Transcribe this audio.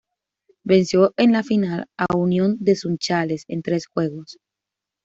Venció en la final a Unión de Sunchales en tres juegos.